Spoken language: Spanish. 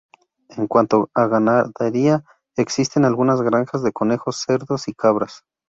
En cuanto a ganadería, existen algunas granjas de conejos, cerdos y cabras.